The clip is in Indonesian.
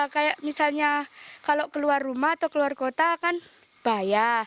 kayak misalnya kalau keluar rumah atau keluar kota kan bahaya